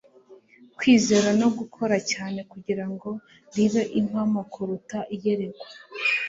kwizera no gukora cyane kugira ngo ribe impamo kuruta iyerekwa